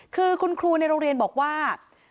คือคุณครูในโรงเรียนบอกว่า